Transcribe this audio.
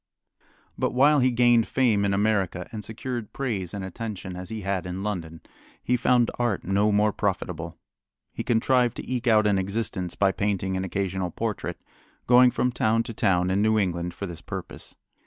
But while he gained fame in America and secured praise and attention as he had in London, he found art no more profitable. He contrived to eke out an existence by painting an occasional portrait, going from town to town in New England for this purpose.